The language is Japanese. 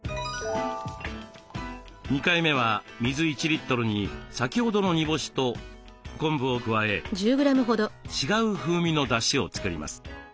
２回目は水１リットルに先ほどの煮干しと昆布を加え違う風味のだしを作ります。